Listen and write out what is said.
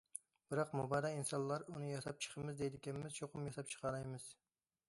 بىراق، مۇبادا ئىنسانلار ئۇنى ياساپ چىقىمىز دەيدىكەنمىز، چوقۇم ياساپ چىقالايمىز.